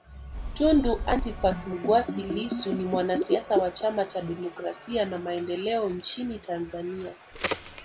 Tundu Antiphas Mughwai Lissu ni mwanasiasa wa Chama cha Demokrasia na Maendeleo nchini Tanzania